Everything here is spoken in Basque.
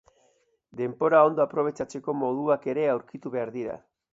Denbora ondo aprobetxatzeko moduak ere aurkitu behar dira.